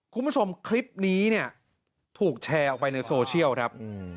คุณผู้ชมคลิปนี้เนี่ยถูกแชร์ออกไปในโซเชียลครับ